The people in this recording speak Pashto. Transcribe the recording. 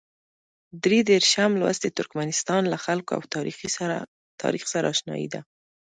درې دېرشم لوست د ترکمنستان له خلکو او تاریخ سره اشنايي ده.